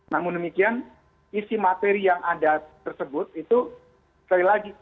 namun demikian isi materi yang ada tersebut itu sekali lagi